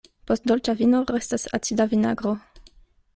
Post dolĉa vino restas acida vinagro.